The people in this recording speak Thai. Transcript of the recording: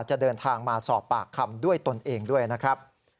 จะเดินทางมาสอบปากคำด้วยตนเองด้วยนะครับ